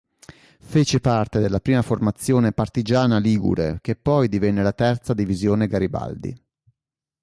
Fece parte della prima formazione partigiana ligure, che poi divenne la "Terza divisione Garibaldi".